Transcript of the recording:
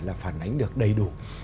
là phản ánh được đầy đủ